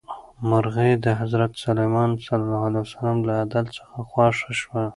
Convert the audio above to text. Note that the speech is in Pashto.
مرغۍ د حضرت سلیمان علیه السلام له عدل څخه خوښه شوه.